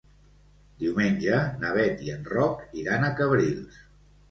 Diumenge na Bet i en Roc iran a Cabrils.